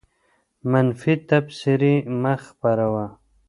منفي تبصرې مه خپروه.